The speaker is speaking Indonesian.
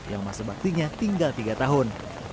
yang masa baktinya tinggal tiga tahun